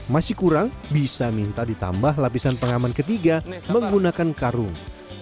masih kurang bisa minta ditambah lapisan pengaman ketiga menggunakan karung